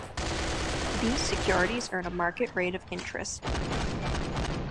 These securities earn a market rate of interest.